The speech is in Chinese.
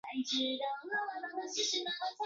这里商业经济也十分发达。